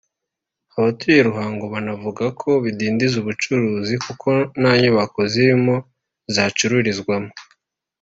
Abatuye Ruhango banavuga ko bidindiza ubucuruzi kuko nta nyubako zirimo zacururizwamo